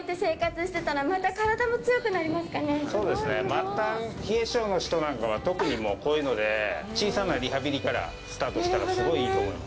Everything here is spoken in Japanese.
末端冷え性の人なんかは特に、こういうので小さなリハビリからスタートしたらすごいいいと思います。